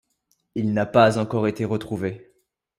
Il n'a pas encore été retrouvé.